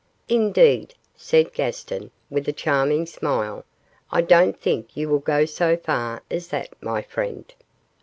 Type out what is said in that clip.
'Indeed,' said Gaston, with a charming smile, 'I don't think you will go so far as that, my friend.